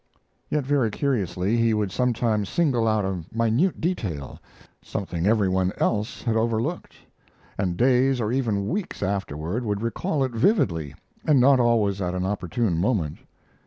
Yet, very curiously, he would sometimes single out a minute detail, something every one else had overlooked, and days or even weeks afterward would recall it vividly, and not always at an opportune moment.